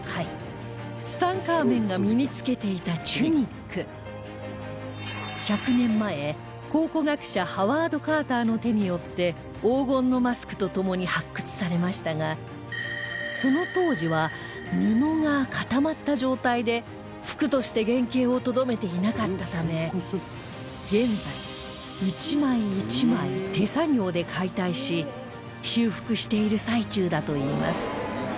こちらが１００年前考古学者ハワード・カーターの手によって黄金のマスクと共に発掘されましたがその当時は布が固まった状態で服として原形をとどめていなかったため現在一枚一枚手作業で解体し修復している最中だといいます